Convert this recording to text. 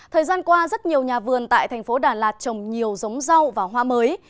thời gian qua rất nhiều nhà vườn tại thành phố đà lạt trồng nhiều giống rau và hoa mới